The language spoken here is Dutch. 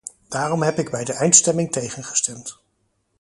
Daarom heb ik bij de eindstemming tegengestemd.